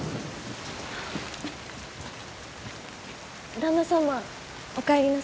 旦那様お帰りなさいませ。